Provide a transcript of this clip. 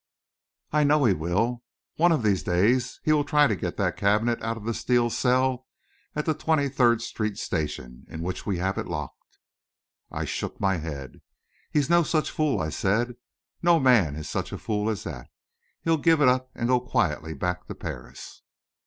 "I know he will! One of these days, he will try to get that cabinet out of the steel cell at the Twenty third Street station, in which we have it locked!" I shook my head. "He's no such fool," I said. "No man is such a fool as that. He'll give it up and go quietly back to Paris."